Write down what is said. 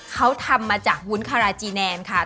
เขาทำมาจากวุ้นคาราจีแนนค่ะ